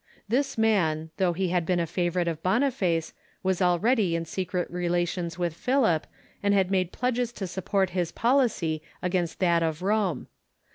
This man, though he to Avignon ^^^^ been a favorite of Boniface, was already in secret relations with Philip, and had made pledges to support his policy against that of Rome.